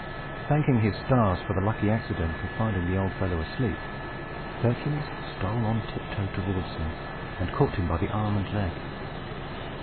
Thanking his stars for the lucky accident of finding the old fellow asleep, Hercules stole on tiptoe towards him, and caught him by the arm and leg.